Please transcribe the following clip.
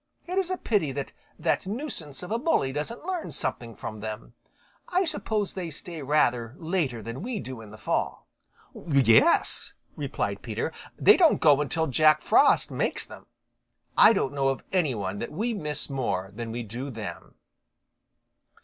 It is a pity that that nuisance of a Bully doesn't learn something from them. I suppose they stay rather later than we do in the fall." "Yes," replied Peter. "They don't go until Jack Frost makes them. I don't know of any one that we miss more than we do them."